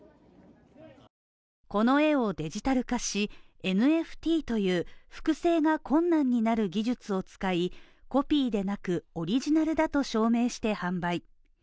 この絵をデジタル化しＮＦＴという複製が困難になる技術を使い、コピーでなく、オリジナルだと証明して販売。